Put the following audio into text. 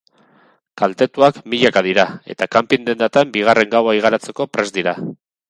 Kaltetuak milaka dira eta kanpin-dendatan bigarren gaua igarotzeko prest dira.